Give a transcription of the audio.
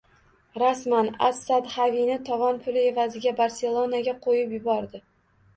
Rasman: As-Sadd Xavini tovon puli evaziga Barselonaga qo‘yib yubordi